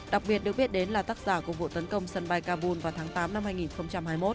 đặc biệt được biết đến là tác giả của vụ tấn công sân bay kabul vào tháng tám năm hai nghìn hai mươi một